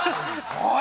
おい！